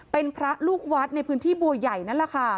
เป็นพระลูกวัดในพื้นที่บัวใหญ่นั่นแหละค่ะ